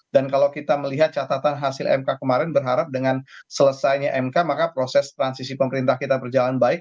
dan kalau kita melihat catatan hasil mk kemarin berharap dengan selesainya mk maka proses transisi pemerintah kita berjalan baik